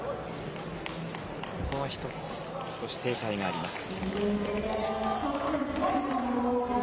ここは１つ少し停滞があります。